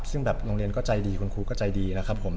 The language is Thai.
ซึ่งแบบโรงเรียนก็ใจดีคุณครูก็ใจดีนะครับผม